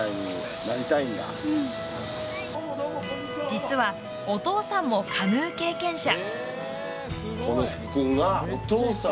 実はお父さんも、カヌー経験者。